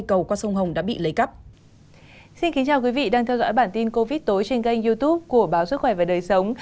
các bạn đang theo dõi bản tin covid tối trên kênh youtube của báo sức khỏe và đời sống